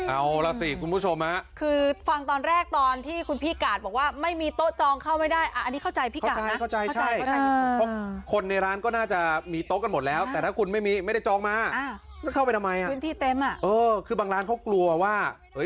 อ่าเข้าไปทำไมอ่ะพื้นที่เต็มอ่ะเออคือบางร้านเขากลัวว่าเอ้ย